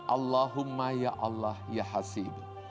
allahumma ya allah ya hasib